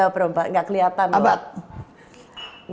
tiga per empat gak keliatan loh